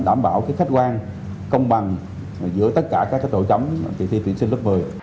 đảm bảo khách quan công bằng giữa tất cả các tổ chấm kỳ thi tuyển sinh lớp một mươi